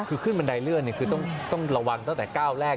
คือขึ้นบันไดเลื่อนคือต้องระวังตั้งแต่ก้าวแรก